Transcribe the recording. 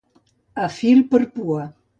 A fil per pua.